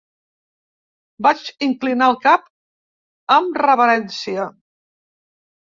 Vaig inclinar el cap amb reverència.